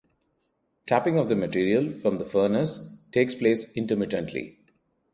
Tapping of the material from the furnace takes place intermittently.